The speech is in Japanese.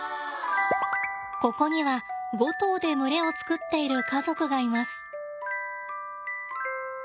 ここには５頭で群れを作っている家族がいます。